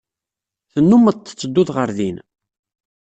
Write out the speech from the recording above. Tennumeḍ tettedduḍ ɣer din?